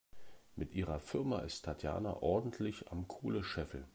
Mit ihrer Firma ist Tatjana ordentlich am Kohle scheffeln.